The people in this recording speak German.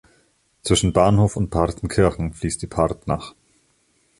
Zwischen Bahnhof und Partenkirchen fließt die Partnach.